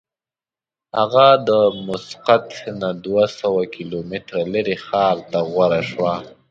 هغه د مسقط نه دوه سوه کیلومتره لرې ښار ته غوره شوه.